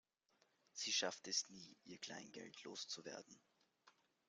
Sie schafft es nie, ihr Kleingeld loszuwerden.